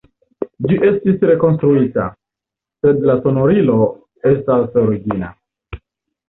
Ĝi estis rekonstruita, sed la sonorilo estas origina.